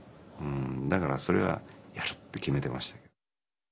だからそれはやるって決めてました。